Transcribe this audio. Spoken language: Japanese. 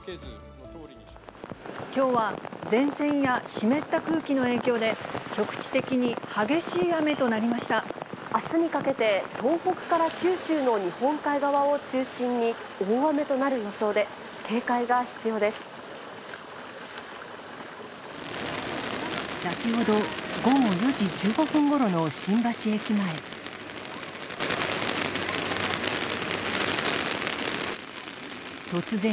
きょうは、前線や湿った空気の影響で、明日にかけて、東北から九州の日本海側を中心に、大雨となる予想で、警戒が必要で先ほど午後４時１５分ごろの新橋駅前。